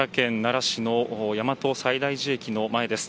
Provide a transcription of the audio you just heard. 奈良県奈良市の大和西大寺駅の前です。